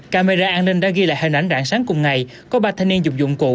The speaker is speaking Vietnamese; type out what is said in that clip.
camera an ninh đã ghi lại hình ảnh rạng sáng cùng ngày có ba thanh niên dùng dụng cụ